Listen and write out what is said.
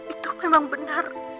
itu memang benar